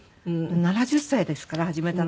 ７０歳ですから始めたのが。